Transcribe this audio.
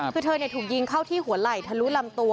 คือเธอถูกยิงเข้าที่หัวไหล่ทะลุลำตัว